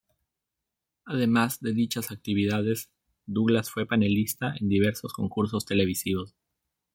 Además de dichas actividades, Douglas fue panelista en diversos concursos televisivos.